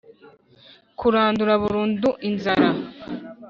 Kurandura burundu inzara